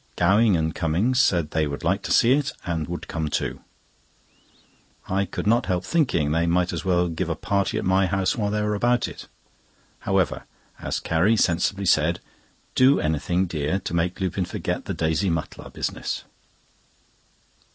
Gowing and Cummings said they would like to see it and would come too. I could not help thinking they might as well give a party at my house while they are about it. However, as Carrie sensibly said: "Do anything, dear, to make Lupin forget the Daisy Mutlar business."